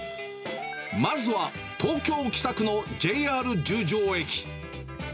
まずは東京・北区のＪＲ十条駅。